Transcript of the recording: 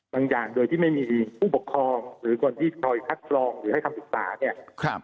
บางอย่างโดยที่ไม่มีผู้ปกครองหรือก่อนที่คอยคัดกรองหรือให้คำติดตาม